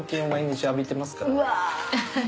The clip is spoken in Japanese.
うわ。